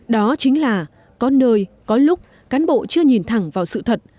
đó chính là có nơi có lúc cán bộ chưa nhìn thẳng vào sự thật